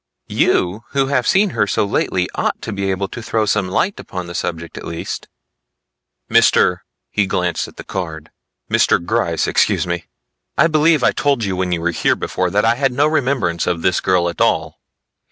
"You who have seen her so lately ought to be able to throw some light upon the subject at least." "Mr. " he again glanced at the card, "Mr. Gryce, excuse me I believe I told you when you were here before that I had no remembrance of this girl at all.